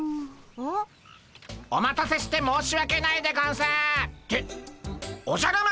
うん？お待たせして申し訳ないでゴンスっておじゃる丸！